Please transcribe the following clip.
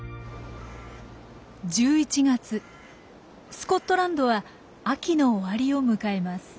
スコットランドは秋の終わりを迎えます。